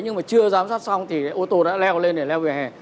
nhưng mà chưa giám sát xong thì ô tô đã leo lên để leo vỉa hè